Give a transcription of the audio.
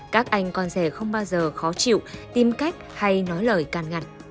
các anh con rẻ không bao giờ khó chịu tìm cách hay nói lời càn ngặt